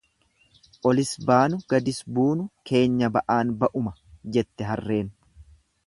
Olis baanu gadis buunu keenya ba'aan ba'uma jette harreen.